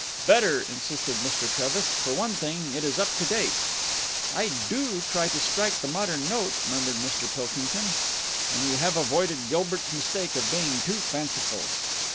"Better," insisted Mr. Trevis. "For one thing, it is up to date." "I do try to strike the modern note," murmured Mr. Pilkington. "And you have avoided Gilbert's mistake of being too fanciful."